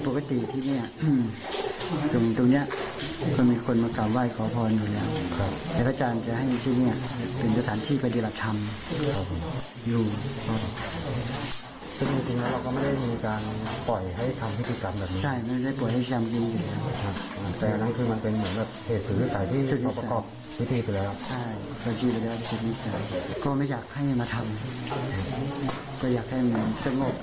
พี่ไม่อยากให้มาทำก็อยากให้มันสงบ